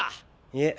いえ